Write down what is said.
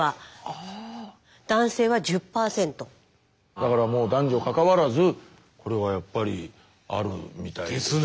だからもう男女かかわらずこれはやっぱりあるみたい。ですね！